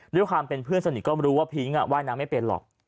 ด้วยความเป็นเพื่อนสนิทก็รู้ว่าพิ้งว่ายน้ำไม่เป็นหรอก